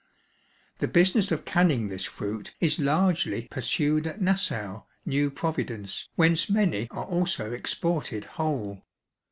The business of canning this fruit is largely pursued at Nassau, New Providence, whence many are also exported whole.